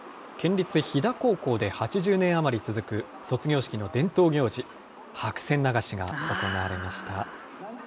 県立斐太高校で８０年余り続く卒業式の伝統行事、白線流しが行われました。